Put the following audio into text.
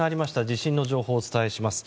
地震の情報をお伝えします。